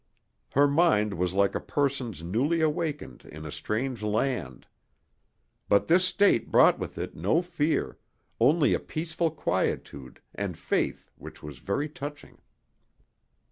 Her mind was like a person's newly awakened in a strange land. But this state brought with it no fear, only a peaceful quietude and faith which was very touching.